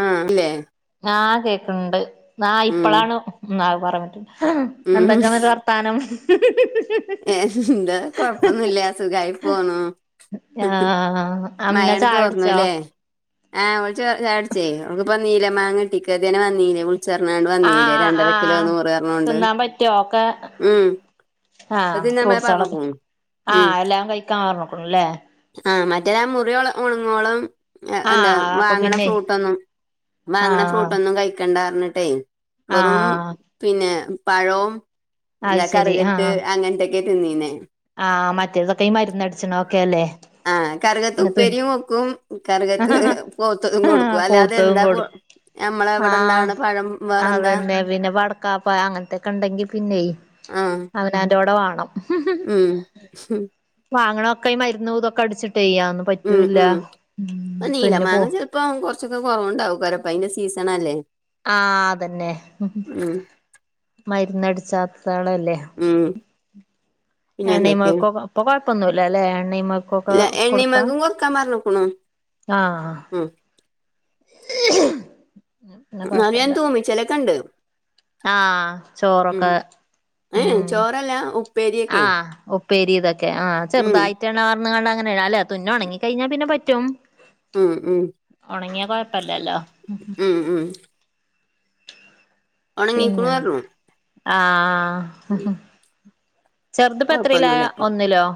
ആഹ് ല്ലേ ആഹ് കേക്ക്‌ൺണ്ട് ആ ഇപ്പളാണ് ന്ന പറഞ്ഞിട്ട്ണ്ട് ഉം എന്തൊക്ക ന്നിട്ട് വർ ത്താനംഹി ഹൂ ഹൂ ഏഹ് എന്താ കൊഴപ്പൊന്നുല്ല സുഖായി പോണു ആഹ് അമ്ന മയണ്ട് ചായുടിച്ചോ തോർന്നുല്ലേ ആഹ് ഓൾ ച്ച ചായകുടിച്ചി ച്ചേ ഓൾക്ക് പ്പോ നീല മാങ്ങ കിട്ടി അത്യേനെ വന്നിരുന്ന് വിള്ച്ചർഞാണ്ട് വന്നീല്ലേ ആഹ് രണ്ടരക്കിലോ ആഹ് നൂറ് പറഞ്ഞോണ്ട് തിന്നാൻ പറ്റോ ഒക്കെ ഉം ഇപ്പ ആഹ് തിന്നാമ്മ ഫ്രൂട്ട്സുകളൊക്കെ പറഞ്ഞുക്കുണു ഉം ആഹ് എല്ലാം കഴിക്കാൻ പർഞുക്കുണല്ലേ ആഹ് മറ്റേതാ മുറിഉണങ്ങ ഒ ണങ്ങോളം എന്താ ആഹ് അപ്പൊ വാങ്ങണ പിന്നെ ഫ്രൂട്ടൊന്നും വാങ്ങണ ആഹ് ഫ്രൂട്ടൊന്നും കഴിക്കണ്ടാറിഞ്ഞിട്ടെയ് വെറും ആഹ് പിന്നെ പഴവും അത് എന്താ ശരി കറുകത്ത് ആഹ് അങ്ങൻത്തെയ് ക്കെ തിന്നീനെ [unintelligible] ആഹ് മറ്റേതൊക്കെ ഈ മരുന്ന് അടിച്ചണോ ഒക്കെ അല്ലേ ആഹ് കർകത്ത് ഇന്നത്തെ ഉപ്പേരിയും വെക്കും കർകത്ത് ആഹ് പോത്തതും കൊടുക്കും അല്ലാതെ പൗത്തതും എന്താ കോ കൊടുക്കും ആഹ് അതന്നെ പിന്നെ വടക്കാപ്പ അങ്ങൻത്തൊക്കെണ്ടെങ്കി പിന്നെയി ആഹ് അവനാന്റോടെ വാണം ഉം വാങ്ങണൊക്കെയ് ഈ മരുന്നു ഇതൊക്കെ അടിച്ചിട്ടയ് അത് ഒന്നും ഉം പറ്റൂല്ല തിന്ന് പോകും ഇപ്പം കൊർച്ചൊക്കെ കൊറവ്ണ്ടാവും പ്പകാരണം ആയിൻ്റെ സീസണല്ലേ ആഹ് അതന്നെഹും ഉം മര്ന്നടിച്ചാത്തതാണെലെ ഉം പിന്നെ എന്തൊക്കെ എണ്ണീമെയ്ക്കൊക്കെ ഇപ്പ കൊഴപ്പൊന്നുല്ലല്ലേ എണ്ണീമെയ്ക്കൊക്കെ ഇല്ല എണ്ണീമെയ്ക്കും കൊർക്കാം പർഞ്ഞ്ക്കുണു ആഹ് ഉം പിന്നെ ന്നാലും ഞാ കൊഴപ്പല്ല തൂമിച്ചലൊക്കെണ്ട് ആഹ് ഉം ചോറൊക്കെ ഏഹ് ഉം ചോറല്ല ഉപ് ആഹ് ഉപ്പേരി തൊക്കെ ആഹ് ഉം ചെർതായ്റ്റ് എണ്ണ പാർന്ന് ങ്ങാണ്ടങ്ങനെ അല്ല തുന്നൊണങ്ങി കൈഞ്ഞാ പിന്നെ പറ്റും ഉം ഉം ഒണങ്ങ്യാ കൊയപ്പല്ലല്ലോ ഉം ഉം ഉണങ്ങിക്കണു പറഞ്ഞു പിന്നെന്താ ആഹ് ചെറുതിപ്പോ എത്രയിലാ കൊയപ്പൊന്നുല്ല ഇപ്പൊ ഒന്നിലോ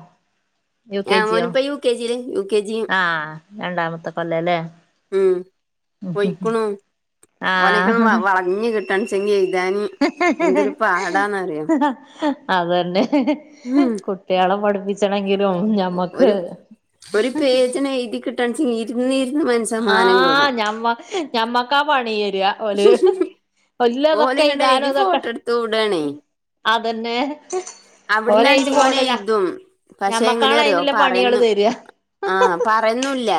യു കെ ആഹ് ജിയോ ഓന് ഇപ്പ യു കെ ജീ ല് യൂ ക് ആഹ് രണ്ടാമത്തെ കൊല്ലല്ലേ ഉം ഉം ഉം ഉം പൊയ്ക്കുണു ആഹ് ഞ്ഞി ക്ട്ടൺ ച്ചെങ്ങി അതന്നെ ഉം കുട്ട്യാളെ പഠിപ്പി ച്ചണങ്കിലും ഞമ്മക്ക് പഠിപ്പിച്ച്ണതെയ്തി ക്ട്ടണെങ്കി ഇര്ന്ന് ന്നിര്ന്ന് മൻ ആഹ് ഞമ്മ ഞമ്മക്കാ പണ്യേരാ ഓല് ഒല്ലതൊക്കെ ഓല്ങ്ങട്ട് എയ്താനു എഴുതി തൊക്കെ ഫോട്ടോ എടുത്ത് വിടാണേ അതന്നെ ഓല് എഴുതി അവ്ട്ന്നാണെച്ചെങ്കി പോട്ടെ ഞ ഓനെയ്തും പക്ഷെ എങ്ങനെ ഞമ്മക്കാണ് അറിയോ അയിനുള്ള പണികള് പറേന്നും തരിക ആഹ് പറേന്നൂല്ല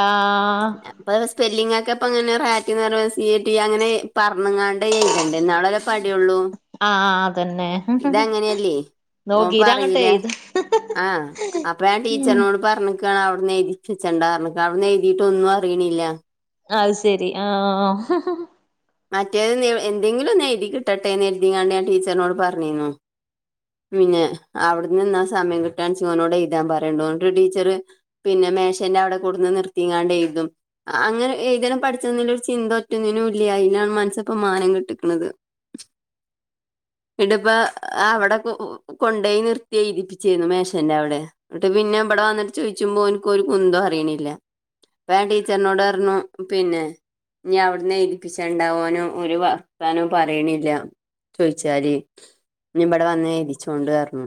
ആഹ് പിന്നെ പ്പത് സ്പെല്ലിഗൊക്കെ അപ്പ ഇങ്ങനെ റാറ്റ് ന്നറീമ്പോ സി എ റ്റി അങ്ങനെ പർഞ്ഞ്ങ്ങാണ്ട് എയ്തണ്ടേ ന്നാലൊള്ളല്ലോ ഇപ്പൊ പട്യോള്ളു ആഹ് അതന്നെ നോക്കീറ്റങ്ങട്ടെയ് ആഹ് അപ്പ ഞാൻ ടീച്ചറിനോട് പർഞ്ഞ്ക്കാണ് ഔട്ന്ന് എയ്തിപ്പിച്ചണ്ടാന്ന് [unintelligible] ട്ടൊന്നും അറീണില്ല അത് ശെരി ആഹ് മറ്റേത് എന്തെങ്കിലും എഴുതി ക്ട്ടെട്ടേ കെര്തീങ്ങാണ്ട് ഞാൻ ടീച്ചറർനോട് പർഞ്ഞീന്നു പിന്നെ ഔട്ന്ന്ന്നാ സമയം ക്ട്ടാൺച്ചെങ്കി ഓനോട് എയ്താം പറയോണ്ടൂ ന്ന്ട്ട് ടീച്ചറ് പിന്നെ മേശന്റെ അവടെ കൊട്ന്ന് നിർത്തീങ്ങാണ്ട് എയ്തും അങ്ങനെ എയ്തണം പഠിച്ചണ ന്ന്ള്ളൊര് ചിന്ത ഒറ്റൊന്നിനു ഇല്ല്യായി തിനാണ് മൻസപ്പ മാനം കെട്ട്ക്ക്ണത്. പിന്നപ്പ അവടെ കൊ കൊണ്ടോയി നിർത്തിയ്തി പ്പിച്ചേര്ന്നു മേശന്റ അവടെ ന്ന്ട്ട് പിന്നെ ബടെ വന്ന്ട്ട് ചോയ്ച്ചുമ്പോ ഓൻക്കൊരു കുന്തോം അറീണില്ല. അപ്പ ഞാം ടീച്ചറിനോട് പർഞ്ഞു പിന്നെ ഇഞ്ഞി ഔട്ന്ന് എയ്തിപ്പിച്ച ച്ചണ്ട ഓനൊര് വർത്താനോം പറീണില്ല ചോയ്ച്ചാല് ഞ്ഞി ബടെ വന്ന് എയ്തിച്ചോണ്ട് അർഞ്ഞു